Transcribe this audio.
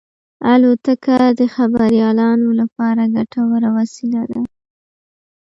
الوتکه د خبریالانو لپاره ګټوره وسیله ده.